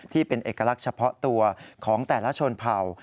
ที่เป็นเอกลักษณ์เฉพาะตัวของแต่ละชนเผ่า